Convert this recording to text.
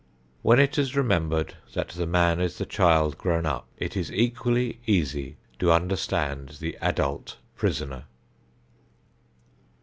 When it is remembered that the man is the child grown up, it is equally easy to understand the adult prisoner.